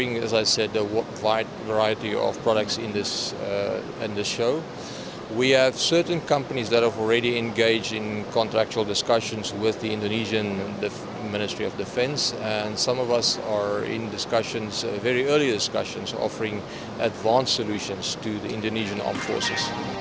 kami sedang berbicara kontraksi dengan tni dan beberapa dari kami sedang berbicara dengan tni